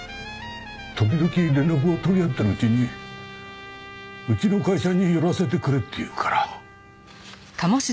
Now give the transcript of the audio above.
時々連絡を取り合ってるうちにうちの会社に寄らせてくれって言うから。